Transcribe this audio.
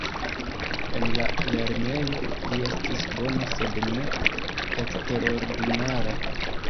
En la lernejo, li estis bona sed ne eksterordinara.